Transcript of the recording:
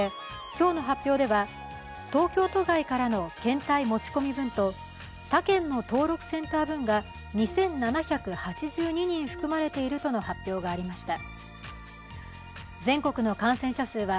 今日の発表では東京都外からの検体持ち込み分と他県の登録センター分が２７８２人含まれているとの発表がありました。